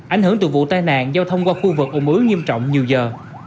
ảnh hưởng từ vụ tai nạn giao thông qua khu vực ổn ứu nghiêm trọng nhiều giờ